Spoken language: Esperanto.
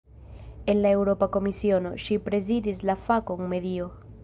En la Eŭropa Komisiono, ŝi prezidis la fakon "medio".